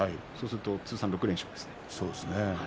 通算６連勝ですね。